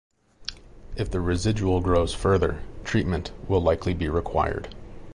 If the residual grows further, treatment will likely be required.